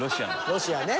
ロシアね。